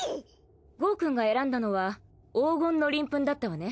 ゴウくんが選んだのは黄金の鱗粉だったわね。